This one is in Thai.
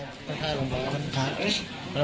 ไม่ใช่อารมณ์ร้อน